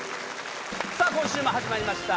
さあ今週も始まりました